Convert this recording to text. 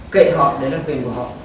kệ họ đấy là quyền của họ